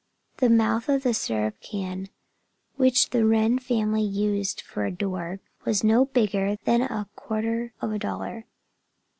The mouth of the syrup can, which the Wren family used for a door, was no bigger than a quarter of a dollar.